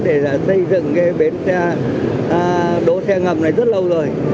để xây dựng đỗ xe ngầm này rất lâu rồi